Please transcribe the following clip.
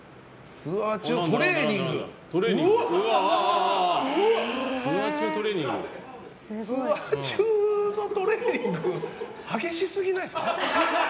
ツアー中のトレーニング激しすぎないですか？